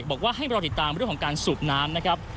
บอกว่าให้รอติดตามเรื่องของการสูบน้ำนะครับ